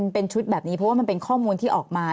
เป็นชุดแบบนี้เพราะว่ามันเป็นข้อมูลที่ออกมา